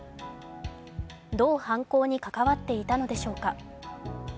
どう犯行に関わっていたのでしょうか。